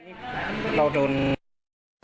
เขาเขาน่าจะแอบมองเราอยู่ตรงนั้น